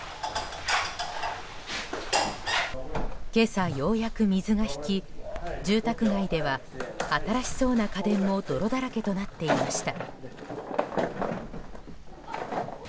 今朝、ようやく水が引き住宅街では新しそうな家電も泥だらけとなっていました。